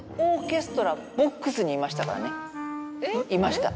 いました。